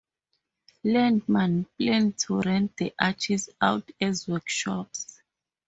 Landmann planned to rent the arches out as workshops.